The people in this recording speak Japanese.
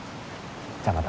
じゃあまた。